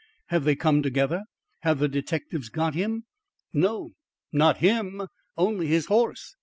"Have they come together? Have the detectives got him?" "No, not HIM; only his horse.